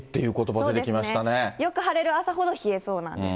そうですね、よく晴れる朝ほど冷えそうなんです。